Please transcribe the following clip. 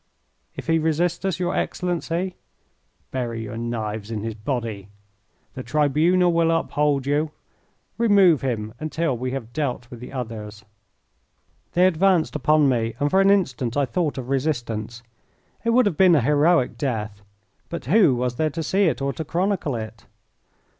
"If he resist us, your Excellency?" "Bury your knives in his body. The tribunal will uphold you. Remove him until we have dealt with the others." They advanced upon me, and for an instant I thought of resistance. It would have been a heroic death, but who was there to see it or to chronicle it?